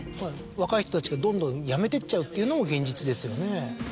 若い人たちがどんどん辞めてっちゃうっていうのも現実ですよね。